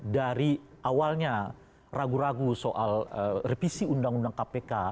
dari awalnya ragu ragu soal revisi undang undang kpk